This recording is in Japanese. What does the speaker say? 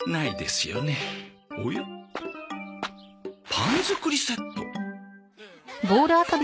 パン作りセット。